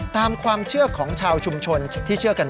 ตามความเชื่อของชาวชุมชน